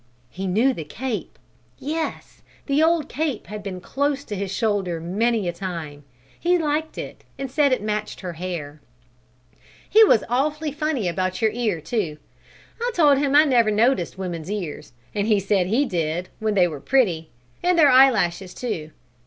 He knew the cape! Yes, the old cape had been close to his shoulder many a time. He liked it and said it matched her hair. "He was awfully funny about your ear, too! I told him I never noticed women's ears, and he said he did, when they were pretty, and their eyelashes, too.